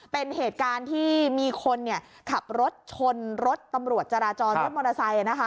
เป็นเหตุการณ์ที่มีคนขับรถชนรถตำรวจจราจรรถมอเตอร์ไซค์นะคะ